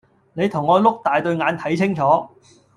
你同我碌大對眼睇清楚